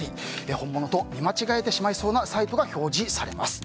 本物と見間違えてしまいそうなサイトが表示されます。